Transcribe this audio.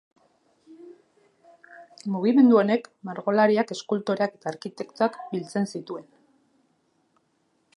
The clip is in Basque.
Mugimendu honek, margolariak, eskultoreak eta arkitektoak biltzen zituen.